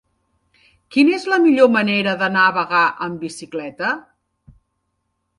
Quina és la millor manera d'anar a Bagà amb bicicleta?